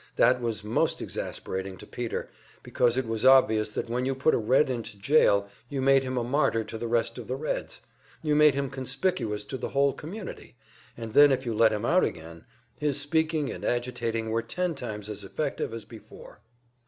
That was most exasperating to Peter, because it was obvious that when you put a Red into jail, you made him a martyr to the rest of the Reds you made him conspicuous to the whole community, and then if you let him out again, his speaking and agitating were ten times as effective as before.